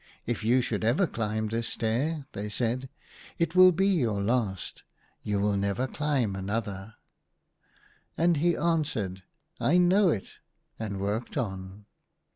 If you should ever climb this stair," they said, "it will be your last. You will never climb another." 48 THE HUNTER. And he answered, *' I know it f' and worked on.